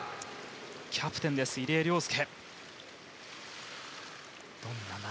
キャプテン、入江陵介。